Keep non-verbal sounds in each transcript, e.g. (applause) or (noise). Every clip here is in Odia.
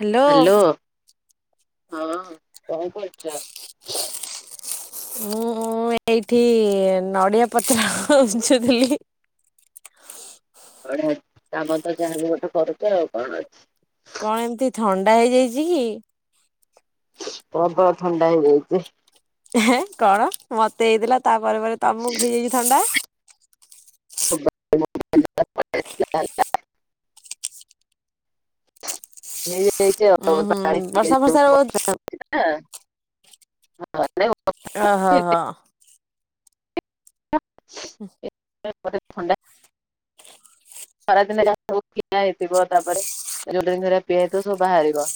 ହ୍ୟାଲୋ। ହଁ କଣ କରୁଚ? ମୁଁ ଏଇଠି ନଡିଆ ପତ୍ର ଉଁଛୁଥିଲି। ବଢିଆ କାମ ତ ଯାହାହେଲେ ଗୋଟେ କରୁଛ ଆଉ କଣ ଅଛି। କଣ ଏମିତି ଥଣ୍ଡା ହେଇଯାଇଚି କି? ପ୍ରବଳ ଥଣ୍ଡା ହେଇଯାଚି। ହେଁ କଣ ମତେ ହେଇଥିଲା ତାପରେ ପରେ ପରେ ତମକୁ ହେଇଯାଇଚି ଥଣ୍ଡା। (unintelligible) (unintelligible) (unintelligible) ଉୁଁ ହୁଁ ବର୍ଷା ବର୍ଷା ଫର୍ଷା ର ହେଉଛି ନା। ଅ ହ ହ। ହୁଁ। ହେ ମତେ ଥଣ୍ଡା ଖରାଦିନ ଯା ସବୁ ପିଆ ହେଇଥିବ ତାପରେ ଯୋଉଟା ଦିନ ଧ ପିଆ ହେଇଥିବ ସବୁ ବାହାରିବ।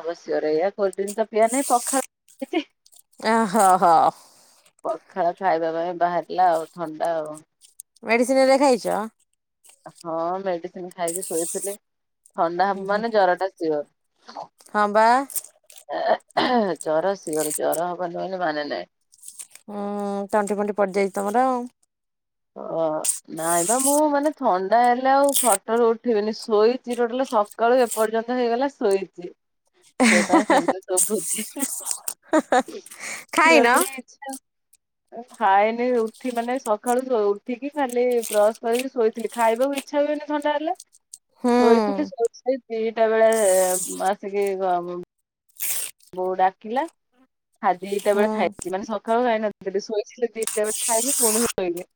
ଅବସ୍ୟ ଏଇଆ କଲଡ୍ରିଙ୍କସ ତ ପିଆ ନାହିଁ ପଖାଳ ହେଇଚି। ଓ ହ ହ। ପଖାଳ ଖାଇବା ପାଇଁ ବାହାରିଲା ଆଉ ଥଣ୍ଡା ଆଉ। ମେଡିସିନ ହାରିକା ଖାଇଚ? ହଁ ମେଡିସିନ ଖାଇକି ଶୋଇଥିଲି ଥଣ୍ଡା ହୁଁ ହବ ହୁଁ ମାନେ ଜର ଟା ସିଓର। ହଁ ବା। ଜର ସିଅର୍ ଜର ହବନି ବୋଲି ମାନେ ନହିଁ। ହୁଁ ତଣ୍ଟି ଫଣ୍ଟି ପଡିଯାଇଚି ତମର ଆଉ। ଓ ନାଇଁ ବା ମୁଁ ମାନେ ଥଣ୍ଡା ହେଲେ ଆଉ ଖଟରୁ ଉଠେଇିବିନି ଶୋଇଚିର ଟୋଟାଲୀ ସଖା ସଳୁ ଏପର୍ଯ୍ୟନ୍ତ ହେଇଗଲା ଶୋଇଛି ସେଟା ସେମିତି ଶୁଭୁଛି। ଖାଇନ ଉଠିବାକୁ ହିଁ ଇଚ୍ଛା ହଉନି। ମୁଁ ଖାଏନି ଉଠି ମାନେ ସ କାଳୁ ଶୋ ଉଠିକି ଖାଲି ବ୍ରସ୍ କରିକି ଶୋଇଥିଲି ଖାଇବାକୁ ଇଚ୍ଛା ହୁଏନି ଥଣ୍ଡା ହେଲା। ହୁଁ ଶୋଇଥିଲି ଶୋଇ ଶୋଇ ଦିଟା ବେଳେ ଆସିକି ଗଁ ମ ବୋଉ ଡାକିଲା। ଖା ଦିଟା ବେଳେ ହୁଁ ଖାଇଛି ମାନେ ସକାଳୁ ଖାଇନାହାନ୍ତି ଶୋଇଚି ସେମିତି ସେ ଦି ଟା ବଳେ ଖାଇକି ପୁଣି ଶୋଇଲି।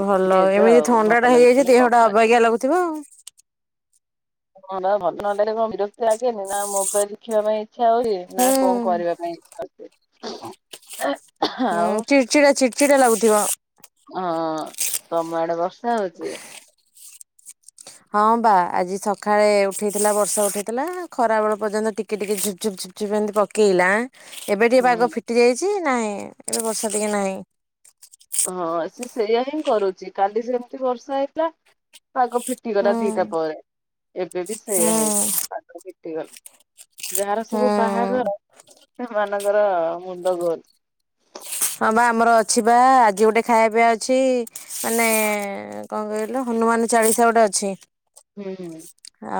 ଭଲ ଏବେ ଏମିତି ଆଉ ଥଣ୍ଡା ଭଲ ଟା ହେଇଯାଇଚି ଲାଗୁନି କଣ ଦେହଟା କରିବି। ଅବାଗିଆ ଲାଗୁଥିବ ଆଉ। ହଁ ବା ଭଲ ନ ଲାଗିଲେ କଣ ବିରକ୍ତି ଲାଗେନି ନା ମୋବାଇଲ ଦେଖିବା ପାଇଁ ଇଛା ହୁଏ ନା ହୁଁ କଣ କରିବା ପାଇଁ ଇଛା ହୁଏ। ହୁଁ ଚିଡ଼ଚିଡା ଚିଡ଼ଚିଡା ଲାଗୁଥିବ। ହଁ ତମ ଆଡେ ବର୍ଷା ହଉଚି? ହଁ ବା ଆଜି ସକାଳେ ଉଠେଇଥିଲା ବର୍ଷା ଉଠେଇଥିଲା ଖରା ବେଳ ପର୍ଯ୍ୟନ୍ତ ଟିକେ ଟିକେ ଝୁପ ଝୁପ ଝୁପ୍ ଝିପ୍ ଝିପ୍ ଏମିତି ପକେଇଲା। ଏବେ ଟିକେ ହୁଁ ପାଗ ଫିଟି ଯାଇଛି ନାହିଁ ଏବେ ବର୍ଷା ଟିକେ ନାହିଁ। ହଁ ସେ ସେଇୟା ହିଁ କରୁଛି କାଲି ସେମତି ବର୍ଷା ହେଇଥିଲା। ପାଗ ଫିଟିଗଲା ହୁଁ ଦିଟା ପରେ ଏବେ ବି ହୁଁ ଯାହାର ହୁଁ ସବୁ ବାହାଘର ସେମାନଙ୍କର ମୁଣ୍ଡ ଘୁର ହଁ ବା ଆମର ଅଛି ବା ଆଜି ଗୋଟେ ଖାଇବା ପିଆ ଅଛି ମାନେ କଣ କହିଲ? ଲ ହନୁମାନ ଚାଳିଶା ଗୋଟେ ଅଛି। ହୁଁ ହୁଁ।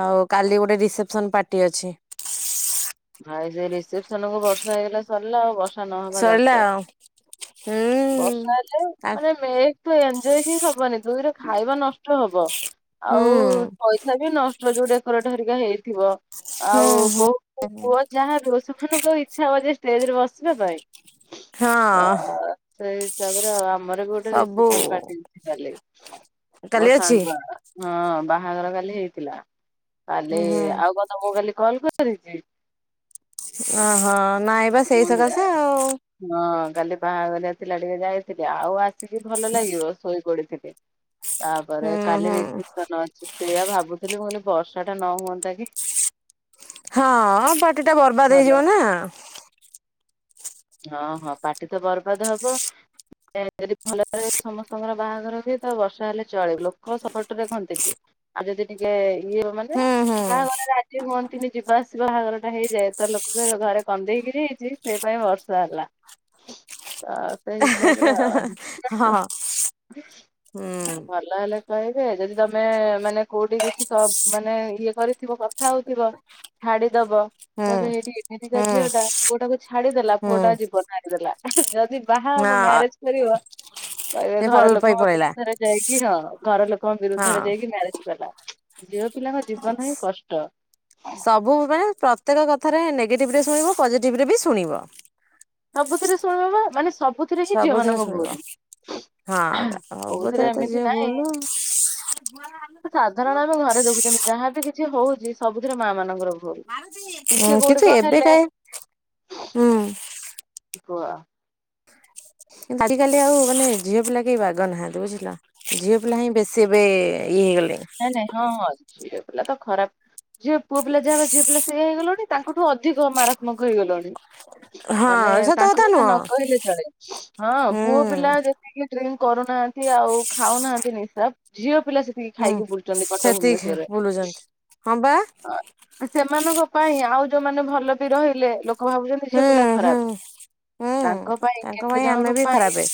ଆଉ କାଲି ଗୋଟେ ରିସେପସନ ପାର୍ଟି ଅଛି। ଆଉ ଏ ଯେ ରିସେପସନ କୁ ବର୍ଷା ହେଇଗଲା ସରିଲା ଆଉ ବର୍ଷା ନହବା ସରିଲା ଦରକାର। ଆଉ ହୁଁ। ବର୍ଷା ହେଲେ ଆ ମାନେ ମେ ଏକ ତ ଏନ୍ଜୟ ହିଁ ହବନି ଦୁଇରେ ଖାଇବା ନଷ୍ଟ ହବ। ହୁଁ ଆଉ ପଇସା ବି ନଷ୍ଟ ଯୋଉ ଡେକୋରେଟ୍ ହେରିକା ହେଇଥିବ ହୁଁ ଆଉ ହୁଁ ବହୁ ପୁଅ ଯାହାବି ହଉ ସେମାନଙ୍କୁ ଆଉ ଇ୍ଛା ହବ ଯାଇ ଷ୍ଟେଜ ରେ ବସିବା ପାଇଁ। ହଁ। ସେଇହିସାବରେ। ଆମର ବି ଗୋଟେ ସବୁ ରିସେପସନ୍ ପାର୍ଟି ଅଛି କାଲି ମୋ କାଲି ଅଛି ସାଙ୍ଗର ହଁ ବା ବାହାଘର କାଲି ହେଇଥିଲା ହୁଁ କାଲି ହୁଁ ଆଉ କଣ ତମକୁ କାଲି କଲ କରିଛି। ଓହୋ ନାଇଁବା ସେଇ ମୁଁ ଯା- ସକାଶେ ଆଉ। ହଁ କାଲି ବାହାଘରିଆ ଥିଲା ଟିକେ ଯାଇଥିଲି ଆଉ ଆସିକି ଭଲ ଲାଗିବ ଶୋଇ ପଡିଥିଲି। ତାପରେ ହୁଁ କାଲି ହୁଁ ରିସେପସନ ଅଛି। ସେଇୟା ଭାବୁଥିଲି ମୁଁ କହିଲି ବର୍ଷା ଟା ନ ହୁଅନ୍ତା କି। ହଁ ପାଟି ଟା ବର୍ବାଦ ଭଲ ଦେଇଯିବ ନା। ହଁ ହଁ ପାଟି ତ ବର୍ବାଦ ହବ ଯଦି ଭଲରେ ସମସ୍ତଙ୍କର ବାହାଘର ହୁଏ ତ ବର୍ଷା ହେଲେ ଚଳିବ ଲୋକ ସପଟରେ କହନ୍ତି କି? ଆଉ ଯଦି ଟିକେ ଇଏ ମାନେ ହୁଁ ହୁଁ କାହାଘର ରାଜି ହୁଅନ୍ତିନି ଯିବା ଆସିବା ବାହାଘର ଟା ହେଇଯାଏ ତାହେଲେ ଲୋକ ଘରେ କନ୍ଦେଇକିରି ହେଇଛି ସେ ପାଇଁ ବର୍ଷା ହେଲା ତ ସେ ହିସାବରେ ହଁ ଆଉ ହୁଁ ଭଲ ହେଲେ କହିବେ ଯଦି ତମେ ମାନେ କୋଉଠି କିଛି ମାନେ ଇଏ କରିଥିବ କଥା ହଉଥିବ ଛାଡିଦବ ହୁଁ ତ ଏଇଠି ଏମିତିକା ହୁଁ ଝିଅ ଟା ପୁଅଟାକୁ ଛାଡିଦେଲା। ହୁଁ ପୁଆଟା ଜୀବନ ହାରିଦେଲା ଯଦି ବାହା ହବ ହଁ ମ୍ୟାରେଜ କରିବ। କହିବେ ସେ ଘର ପଲ ପାଇ ଲୋକଙ୍କ ପଳେଇଲା ବିରୁଦ୍ଧରେ ଯାଇକି ହଁ ଘର ଲୋକଙ୍କ ବିରୁଦ୍ଧରେ ହଁ ଯାଇକି ମ୍ୟାରେଜ କଲା। ଝିଅ ପିଲାଙ୍କ ଜୀବନ ହିଁ କଷ୍ଟ। ସବୁ ମାନେ ପ୍ରତ୍ୟକ କଥାରେ ନେଗେଟିଭ ରେ ଶୁଣିବ ପଜିଟିଭରେ ବି ଶୁଣିବ। ସବୁଥିରେ ଶୁଣିବ ମାନେ ସବ ବୁଥିରେ ହିଁ ଝିଅ ସବୁଥିରେ ମାନଙ୍କ ଶୁଣିବ ଭୁଲ ହଁ କୋଉଥିରେ ସବୁଥିରେ ତ ଏମିତି ଝିଅ ନାହିଁ ଭୁଲ ସାଧାରଣ ଆମେ ଘରେ ଦେଖୁଛନ୍ତି ଯାହାବି କିଛି ହଉଛି ସବୁଥିରେ ମା ମାନଙ୍କର ଟିକେ ଆଉ କୋଉଠି କିନ୍ତୁ କଣ ଏବେ ହେଲା। କାଇଁ ହୁଁ କୁହ (inaudible) ଆଜିକାଲି ଆଉ ମାନେ ଝିଅ ପିଲା କେହି ବାଗ ନାହାନ୍ତି ବୁଝିଲ ଝିଅ ପିଲା ହିଁ ବେଶୀ ଏବେ ଇଏ ହେଇଗଲେ। ନାଇଁ ନାଇଁ ହଁ ହଁ ଝିଅ ପିଲା ତ ଖରାପ ଝିଅ ପୁଅ ପିଲା ଯାହା ହେବେ ଝିଅ ପିଲା ସେ ସେ ହେଇଗଲଣି ତାଙ୍କଠୁ ଅଧିକ ମାରାତ୍ମକ ହେଇଗଲଣି। ମାନେ ହଁ ସତ ତାଙ୍କ କଥା ନୁହଁ ନ କହିଲେ ଚଳେ ହଁ ପୁଅ ହୁଁ ପିଲା ଯେତିକି ଡ୍ରିଙ୍କ କରୁନାହାନ୍ତି ଆଉ ଖାଉନାହାନ୍ତି ନିସା ଝିଅ ପିଲା ସେତିକି ହୁଁ ଖାଇକି ବୁଲଛନ୍ତି କଟକ ସେତିକି ଭୁବନେଶ୍ଵରରେ (inaudible) ବୁଲୁଛନ୍ତି। ହଁ ବା ସେମାନଙ୍କ ପାଇଁ ଆଉ ଯୋଉମାନେ ଭଲ ବି ରହିଲେ ଲୋକ ଭାବୁଛନ୍ତି ସି ହୁଁ ପିଲା ହୁଁ ଖରାପ। ହୁଁ ତାଙ୍କ ପାଇଁ ତାଙ୍କ କେତେ ଆମେ ଜଣଙ୍କ ବି ପାଇଁ ଖରାପେ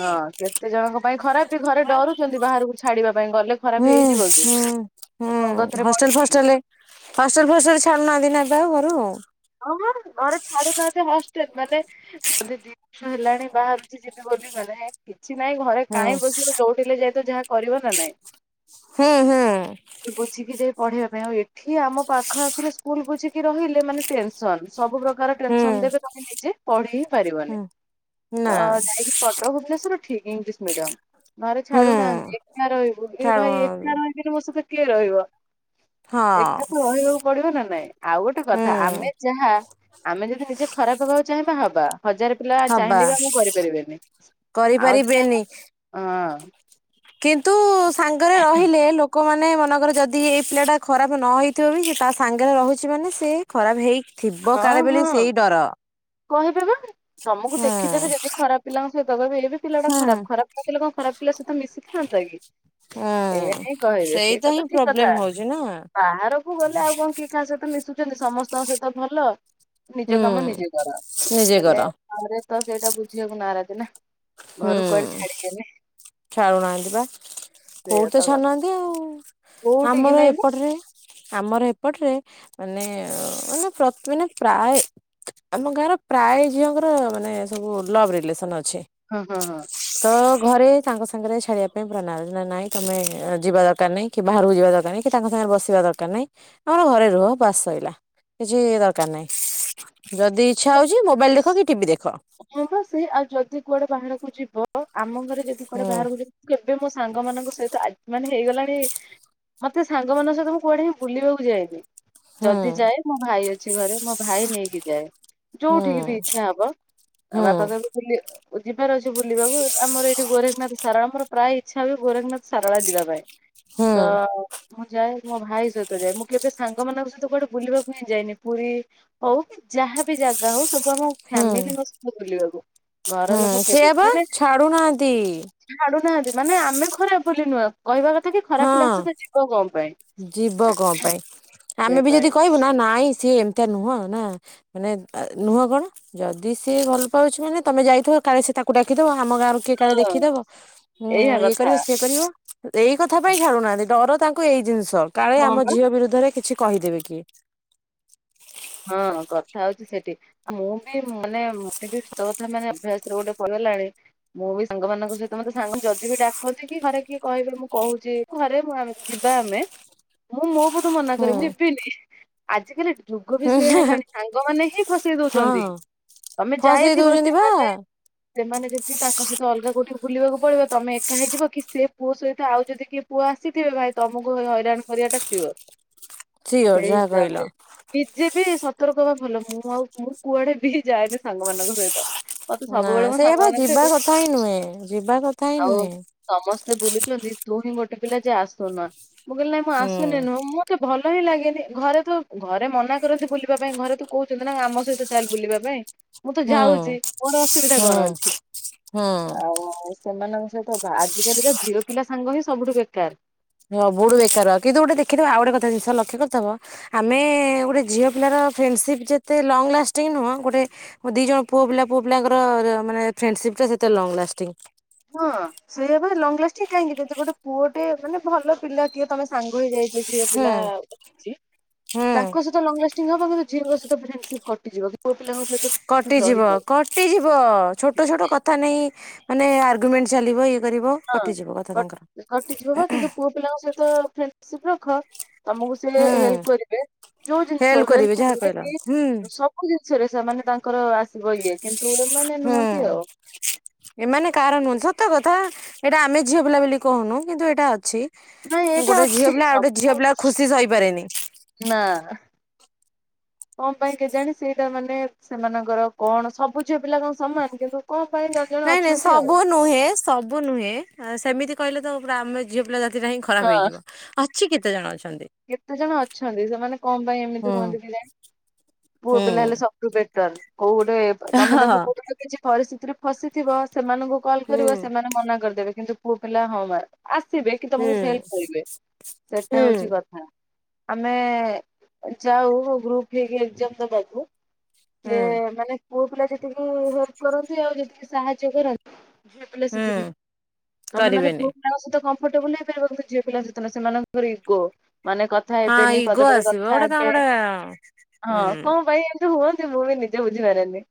ହଁ କେତେ ଜଣଙ୍କ ପାଇଁ ଖରାପି ଘରେ ଡରୁଛନ୍ତି ବାହାରକୁ ଛାଡିବା ପାଇଁ ଗଲେ। ଖରାପ ହୁଁ ହେଇଯିବ କି? ହୁଁ ହୁଁ ସଙ୍ଗତରେ ହଷ୍ଟେଲ ପଡିକି ଫଷ୍ଟେଲରେ ହଷ୍ଟେଲ ଫଷ୍ଟେଲରେ ଛା ନଦୀ ନେବା ଆ ଘରୁ। ଓ ଘରେ ଛାଡୁନାହାନ୍ତି ହଷ୍ଟେଲ୍ ମାନେ ଯଦି ଦିଷ ହେଲାଣି ବାହାରୁଛି ଯିବି ବୋ କିଛି ନାଇଁ ଘରେ ହୁଁ କାହିଁ ବସିବ। ଯୋଉଠି ହେଲେ ଯାଇତ ଯାହା କରିବ ନା ନାଇଁ। ହୁଁ ହୁଁ। ବୁଝିକି ଯାଇ ପଢେଇବା ପାଇଁ ଆଉ ଏଠି ଆମ ପାଖ ଆଖରେ ସ୍କୁଲ ବୁଝିକି ରହିଲେ ମାନେ ଟେନ୍ସନ୍। ସବୁ ପ୍ରକାର ହୁଁ ଟେନ୍ସନ୍ ଦେବେ ତମେ ନିଜେ ପଢି ହି ପାରିବନି। ହୁଁ ତ ନା ଯାଇକ କଟକ ଭୁବନେଶ୍ୱର ଠିକ୍ ଇଂଲିଶ ମିଡିୟମ୍। ଘରେ ହୁଁ ଛାଡୁନାହାଁନ୍ତି ଏକା ରହିବୁ। ଏ ଭାଇ ଏକା ଛାଡୁନାହାନ୍ତି ରହିବିରି ମୋ ସଇତ କିଏ ରହିବ ହଁ ଏକା ତ ରହିବାକୁ ପଡିବ ନା ନାଇଁ। ଆଉ ଗୋଟେ କଥା ହୁଁ ଆମେ ଯାହା ଆମେ ଯଦି ନିଜେ ଖରାପ ହବାକୁ ଚାହିଁବା ହବା। ହଜାର ପିଲା ହବା ଚାହିଁଲେ ବା ମୁଁ କରିପାରିବେନି। ଆଉ ଯଦି ଆମେ କରିପାରିବେନି ହଁ। କିନ୍ତୁ ସାଙ୍ଗରେ ରହିଲେ ଲୋକମାନେ ମନେକର ଯଦି ଏଇ ପିଲା ଟା ଖରାପ ନ ହେଇଥିବ ବି ତା ସାଙ୍ଗରେ ରହୁଛି ମାନେ ସେ ଖରାପ ହେଇଥିବ କାଳେ ହଁ ବୋଲି ହଁ ସେଇ ଡର। କହିବେ ବା ତମକୁ ଦେଖିଦେବେ ହୁଁ। ଯଦି ଖରାପ ପିଲାଙ୍କ ସହିତ କହିବେ ଏ ପିଲା ଟା ଖରାପ ଖରାପ ନଥିଲା କଣ ଖରାପ ପିଲା ସହିତ ମିଶିଥାନ୍ତା କି? ହୁଁ ଏଇଆହି କହିବେ ସେଇତ ସେଇଟା ହିଁ ତ ଠିକ୍ ପ୍ରୋବ୍ଲେମ କଥା। ହଉଛି ନା। ବାହାରକୁ ଗଲେ ଆଉ କଣ କିଏ କାହା ସହିତ ମିଶୁଛନ୍ତି। ସମସ୍ତଙ୍କ ସହିତ ଭଲ। ନିଜ ହୁଁ କାମ ନିଜେ କର। ନିଜେ କର ହେଲେରେ ତ ସେଇଟା ବୁଝିବାକୁ ନାରାଜ୍ ନା। ହୁଁ ଘରୁ କୁଆଡେ ଛାଡିଦେଲେ ଛାଡୁନାହାନ୍ତି ବା କୋଉଠୁ ତ ଛାଡୁନାହାଁନ୍ତି ଆଉ। କୋଉଠିକି ଆମର ନାଇଁ ମ ଏପଟରେ ଆମର ଏପଟରେ ମାନେ ମାନେ ପ୍ରତି ପ୍ରାୟ ଆମ ଗାଁର ପ୍ରାୟ ଝିଅଙ୍କର ମାନେ ସବୁ ଲଭ୍ ରିଲେସନ୍ ଅଛି। ହଁ ହଁ ହଁ। ତ ଘରେ ତାଙ୍କ ସାଙ୍ଗରେ ଛାଡିବା ପାଇଁ ପୁରା ନାରାଜ୍। ନା ନାଇଁ ତମେ ଯିବା ଦରକାର ନାଇଁ କି ବାହାରକୁ ଯିବା ଦରକାର ନାଇଁ। କି ତାଙ୍କ ସାଙ୍ଗରେ ବସିବା ଦରକାର୍ ନାଁଇ। ଆମର ଘରେ ରୁହ ବାସ୍ ସରିଲା। କିଛି ଦରକାର ନାହିଁ। ଯଦି ଇଚ୍ଛା ହଉଛି ମୋବାଇଲ୍ ଦେଖ କି ଟିଭି ଦେଖ। ମୁଁ ଯିବ ଆମ ଘରେ ଯଦି କୁଆଡେ ହୁଁ ବାହାରକୁ ଯାଇ କେବେ ମୋ ସାଙ୍ଗ ମାନଙ୍କ ସହିତ ଆ ମାନେ ହେଇଗଲାଣି ମତେ ସାଙ୍ଗମାନଙ୍କ ସହିତ ମୁଁ କୁଆଡେ ହିଁ ବୁଲିବାକୁ ଯାଏନି। ହୁଁ। ଯଦି ଯାଏ ମୋ ଭାଇ ଅଛି ଘରେ ମୋ ଭାଇ ନେଇକି ଯାଏ। ହୁଁ ଯୋଉଠିକି ବି ଇଛା ହବ। ଆଉ ହୁଁ ବାପା କହିଲେ ବୁଲି ଯିବାର ଅଛି ବୁଲିବାକୁ। ଆମର ଏଇଠି ଗୋରେଖନାଥ ସାରଳା ମୋର ପ୍ରାୟ ଇଚ୍ଛା ହୁଏ ଗୋରେଖନାଥ ସାରଳା ଯିବା ପାଇଁ। ହୁଁ ତ ମୁଁ ଯାଏ। ମୋ ଭାଇ ସହିତ ଯାଏ। ମୁଁ କେବେ ସାଙ୍ଗ ମାନଙ୍କ ସହିତ କୁଆଡେ ବୁଲିବାକୁ ହିଁ ଯାଇନି। ପୁରୀ ହଉ କି ଯାହା ବି ଯା ଜାଗା ହଉ ସବୁ ଆମ ହୁଁ ଫ୍ୟାମିଲି ପିଲାଙ୍କ ସହ ବୁଲିବାକୁ ଘର ଲୋକ ହୁଁ କେବେ ସେଇଆ ବା ମାନେ ଛାଡୁନାହାନ୍ତି ଛାଡୁନାହାଁନ୍ତି। ମାନେ ଆମେ ଖରାପ ବୋଲି ନୁହଁ। କହିବା କଥା କି ଖରାପ ହଁ। ପିଲାଙ୍କ ସହିତ ଯିବ କଣ ପାଇଁ? ଯିବ କଣ ପାଇଁ ଆମେ ବି ସେଇପାଇଁ ଯଦି କହିବୁ ନା ନାଇଁ। ସିଏ ଏମିତିଆ ନୁହଁ ନା ମାନେ ନୁହଁ କଣ ଯଦି ସିଏ ଭଲ ପାଉଛି ମାନେ ତମେ ଯାଇଥା କାଳେ ସେ ତାକୁ ଡାକିଦବ ଆମ ଗାଁରୁ କିଏ ତ କାଳେ ଦେଖିଦବ ଏଇଆ ଇଏ କଥା କରିବ ସିଏ କରିବ। ଏଇ କଥା ପାଇଁ ଛାଡୁନାହାଁନ୍ତି। ଡର ତାଙ୍କୁ ଏଇ ଜିନିଷ କାଳେ ହଁ ବା। ଆମ ଝିଅ ବିରୁଦ୍ଧରେ କିଛି କହିଦେବେ କିଏ। ହଁ କଥା ହଉଛି ସେଠି ଆଉ ମୁଁ ବି ମାନେ ମତେ ବି ସତ କଥା ମାନେ ଅଭ୍ୟାସରେ ଗୋଟେ ପର ଣି ମୁଁ ବି ସାଙ୍ଗମାନଙ୍କ ସହିତ ମତେ ସାଙ୍ଗ ଯଦି ବି ଡାକନ୍ତି କି ଘରେ କିଏ କହିବେ ମୁଁ କହୁଛି ଘରେ ଯିବା ଆମେ ମୁଁ ମୋ ପଟୁ ମନା କରେ ହୁଁ ମୁଁ ଯିବିନି। ଆଜିିକାଲି ଆଗବି ହୁଁ ସେଇଆ ହୁଁ, ହେଲାଣି। ସାଙ୍ଗମାନୋ ହିଁ ଫସେଇ ଦଉଛନ୍ତି। ହଁ ତମେ ଫସେଇ ଯାଇଥିବ ଦଉଛନ୍ତି ବା ସେମାନେ ସେମାନେ ଯେମିତି ତାଙ୍କ ସହିତ ଅଲଗା କୋଉଠି ବୁଲିବାକୁ ପଳେଇବ। ତମେ ଏକା ହେଇଯିବ କି ସେ ପୁଅ ସହିତ ଆଉ ଯଦି କିଏ ପୁଅ ଆସିଥିବେ ଭାଇ ତମକୁ ହଇରାଣ କରି ଟା ସିଓର। ସିଅର ସେଇ ଯାହା ହିସାବରେ କହିଲ। ନିଜେ ବିି ସତର୍କ ହବା ଭଲ। ମୁଁ ଆଉ ମୁଁ କୁଆଡେ ବି ଯାଏନି ସାଙ୍ଗମାନଙ୍କ ସହିତ। ମତେ ନା ସବୁବେଳେ ମୋ ସେଇଆ ବା ସାଙ୍ଗମାନେ ଯିବା କହିବେ କଥା ହିଁ ନୁହେଁ ଯିବା କଥା ହିଁ ଆଉ ନୁହେଁ ସମସ୍ତେ ସେ ବୁଲୁଚନ୍ତି ତୁ ହିଁ ଗୋଟେ ପିଲା ଯିଏ ଆସୁନୁ। ମୁଁ କଇଲି ନାଇଁ ମୁଁ ହୁଁ ଆସୁନି ନୁହଁ ମୋତେ ଭଲ ଭଲ ହିଁ ଲାଗେନି। ଘରେ ତ ଘରେ ମନା କରନ୍ତି ବୁଲିବା ପାଇଁ ଘରେ ତ କହୁଛନ୍ତି ନା ଆମ ସହିତ ଚାଲ ବୁଲିବା ପାଇଁ। ମୁଁ ତ ହୁଁ ଯାଉଛି ମୋର ଅସୁବିଧା ହୁଁ କଣ ଅଛି? ହୁଁ ଆଉ ସେମାନଙ୍କ ସହିତ ବା ଆଜିକାଲିକା ଝିଅ ପିଲା ସାଙ୍ଗ ହିଁ ସବୁଠୁ ବେକାର। ସବୁଠୁ ବେକାର କିନ୍ତୁ ଗୋଟେ ଦେଖିଥିବ ଆଉ ଗୋଟେ କଥା ଜିନିଷ ଲକ୍ଷ୍ୟ କରିଥବ। ଆମେ ଗୋଟେ ଝିଅ ପିଲାର ଫ୍ରେଣ୍ଡସିପ ଯେତେ ଲଙ୍ଗ ଲାଷ୍ଟିଙ୍ଗ ନୁହଁ, ଗୋଟେ ଦି ଜଣ ପୁଅ ପିଲା ପୁଅ ପିଲାଙ୍କର ମାନେ ଫ୍ରେଣ୍ଡସି ସିପ୍ ଟା ସେତେ ଲଙ୍ଗ ଲାଷ୍ଟିଂ। ହଁ ସେୟା ବା ଲଙ୍ଗ ଲାଷ୍ଟି କାହିଁକି, ଯଦି ଗୋଟେ ପୁଅଟେ ମାନେ ଭଲ ପିଲା କିଏ ତମେ ସାଙ୍ଗ ହେଇ ଯାଇ ଝିଅ ହୁଁ ପିଲା ଅଛି, ହୁଁ ତାଙ୍କ ସହିତ ଲଙ୍ଗ ଲାଷ୍ଟିଙ୍ଗ ଷ୍ଟିଙ୍ଗ ହବ କିନ୍ତୁ ଝିଅଙ୍କ ସହିତ ଫ୍ରେଣ୍ଡସିପ କଟିଯିବ। ପିଲାଙ୍କ ସହିତ ଫ୍ରେଣ୍ଡସିପ କଟିଯିବ ରହିବ କଟିଯିବ। ଛୋଟ ଛୋଟ କଥା ନେଇ ମାନେ ଆର୍ଗୁମେଣ୍ଟ ଚାଲିବ ଇଏ କରିବ ହଁ କଟିଯିବ କଥା ତାଙ୍କର କଟି କଟିଯିବ ବା କିନ୍ତୁ ପୁଅ ପିଲାଙ୍କ ସହିତ ଫ୍ରେଣ୍ଡସିପ ରଖ ତମକୁ ସେ ହୁଁ ହେଲ୍ପ କରିବେ, ଯୋଉ ଜିନିଷ ହଉ ହେଲ୍ପ ଯାହା କରିବେ କହିଲ କି ହୁଁ ସବୁ ଜିନିଷରେ ସେମାନେ ତାଙ୍କର ଆସିବ ଇଏ କିନ୍ତୁ ଏମାନେ ହୁଁ ନୁହନ୍ତି ଆଉ। ଏମାନେ କାହର ନୁହଁନ୍ତି। ସତକଥା ଏଇଟା ଆମେ ଝିଅ ପିଲା ବୋଲି କହୁନୁ କିନ୍ତୁ ଏଇଟା ଅଛି ନାଇଁ ଏଇଟା ଗୋଟେ ଝିଅ ଅଛି ପିଲା ଆଉ ଗୋଟେ ଝିଅ ସବୁ ପିଲା ଖୁସି ସହିପାରେନି। ନା (inaudible) କଣ ପାଇଁ କେଜାଣି ସେଇଟା ମାନେ ସେମାନଙ୍କର କଣ, ସବୁ ଝିଅ ପିଲା କଣ ସମାନ କିନ୍ତୁ କଣ ପାଇଁ ଜଣେ ଜଣେ ନାଇଁ ନାଇଁ ଅଛନ୍ତି ଆଉ। ସବୁ ନୁହେଁ ସବୁ ନୁହେଁ। ସେମିତି କହିଲେ ତ ପୁରା ଆମେ ଝିଅ ପିଲା ଜା ତିଟା ହିଁ ଖରାପ ହଁ। ହେଇଯିବ। ଅଛି କେତେ ଜଣ ଅଛି କେତେ ଜଣ ଅଛନ୍ତି, ସେମାନେ କଣ ପାଇଁ ଏମିତି ହୁଁ ହୁଅନ୍ତି କେଜାଣି। ପୁଅ ହୁଁ ପିଲା ହେଲେ ସବୁଠୁ ବେଟର। କୋଉ ଗୋଟେ ତମେ ଦେଖ ହଁ। କୋଉ ଗୋଟେ କିଛି ପରିସ୍ଥିତିରେ ଫସିଥିବ ସେମାନଙ୍କୁ କଲ୍ କରିବ ହୁଁ ସେମାନେ ମନା କରିଦେବେ, କିନ୍ତୁ ପୁଅ ପିଲା ହଁ ମାରି ଆସିବେ କି ହୁଁ ତମକୁ ହେଲ୍ପ କରିବେ। ହୁଁ ସେଇଟା ହଉଛି କଥା। ଆମେ ଯାଉ ଗ୍ରୁପ ହେଇକି ଏକ୍ଜାମ୍ ଦବାକୁ ସେ ହୁଁ ମାନେ ପୁଅ ପିଲା ଯେତିକି ହେଲ୍ପ କରନ୍ତି ଆଉ ଯେତିକି ସାହାଯ୍ୟ କରନ୍ତି ଝିଅ ପିଲା ସେତିକି ହୁଁ ନୁହେଁ। ତମେ ମାନେ କରିବେନି। ପୁଅ ପିଲାଙ୍କ ସହିତ କ ମ୍ଫଟେବୁଲ ହେଇପାରିବ କିନ୍ତୁ ଝିଅ ପିଲାଙ୍କ ସହିତ ନୁହଁ। ସେମାନଙ୍କର ଇଗୋ ମାନେ କଥା ହଁ ହେବେନି ଇଗୋ ପଦେ ପଦେ ଆସିବ କଥା ଗୋଟେ ହେବେ। ତାଙ୍କର ଗୋଟେ ହଁ ହୁଁ କଣ ପାଇଁ ଏ ମତି ହୁଅନ୍ତି ମୁଁ ବି ନିଜେ ବୁଝିପାରେନି।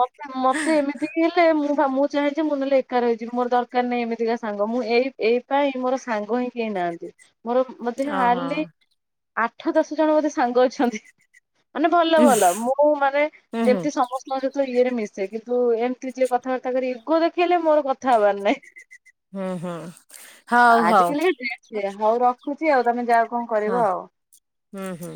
ମତେ ମତେ ଏମିତି ହେଲେ ମୁଁ ହଁ ମୁଁ ଚାହେଁ ଯେ ମୁଁ ନହେଲେ ଏକା ରହିଯିବି, ମୋର ଦରକାର ନାହିଁ ଏମିତିକା ସାଙ୍ଗ। ମୁଁ ଏଇ ଏଇ ପାଇଁ ମୋର ସାଙ୍ଗ ହିଁ କେହି ନାହା ନାହାଁନ୍ତି। ମୋର ମଧ୍ୟ ଓହୋ। ହାର୍ଡଲି ଆଠ ଦଶ ଜଣ ବୋଧେ ସାଙ୍ଗ ଅଛନ୍ତି। ମାନେ ଭଲ ଭଲ। ମୁଁ ମାନେ ହୁଁ ହୁଁ ଯେମିତି ସମସ୍ତଙ୍କ ସହିତ ଇଏରେ ମିଶେ କି ତୁ ଏମତି ଯିଏ କଥାବାର୍ତ୍ତା କରି, ଇଗୋ ଦେଖେଇଲେ ମୋର କଥା ହବାର ନାହିଁ। ଆଜିକାଲିକା ହୁଁ ହୁଁ ହଉ ହଉ (unintelligible) ସେୟା। ହଉ ରଖୁଛି ଆଉ ତମେ ଯାଅ କଣ ହଁ କରିବ ଆଉ। ହୁଁ ହୁଁ।